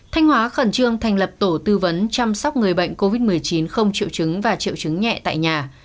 thanh hóa khẩn trương thành lập tổ tư vấn chăm sóc người bệnh covid một mươi chín không triệu chứng và triệu chứng nhẹ tại nhà